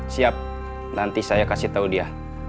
siap nanti saya kasih tahu dia